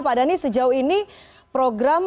pak dhani sejauh ini program